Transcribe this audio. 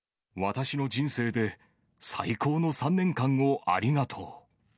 私の人生で最高の３年間をありがとう。